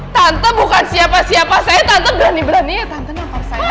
tante bukan siapa siapa saya tante berani berani tante saya